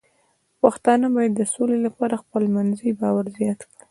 پښتانه بايد د سولې لپاره خپلمنځي باور زیات کړي.